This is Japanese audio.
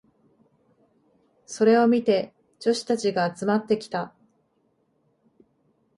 それを見て女子たちが集まってきた。